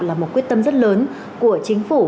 là một quyết tâm rất lớn của chính phủ